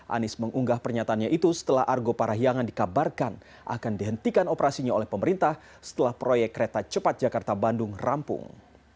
anies mengunggah pernyataannya itu setelah argo parahyangan dikabarkan akan dihentikan operasinya oleh pemerintah setelah proyek kereta cepat jakarta bandung rampung